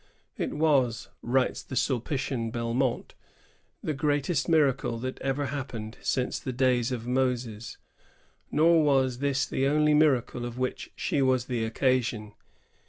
"It was," writes the Sulpitian Belmont, "the greatest miracle that ever happened since the 1662 1714.] Jeanne lje bM. l6l days of Moses." Nor was this the only miracle of which she was the occasion.